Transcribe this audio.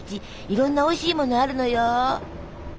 いろんなおいしいものあるのよ！